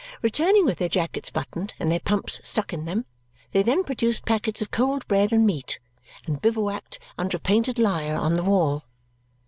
Returning with their jackets buttoned and their pumps stuck in them, they then produced packets of cold bread and meat and bivouacked under a painted lyre on the wall.